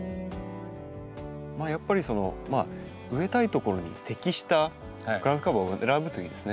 やっぱり植えたい所に適したグラウンドカバーを選ぶといいですね。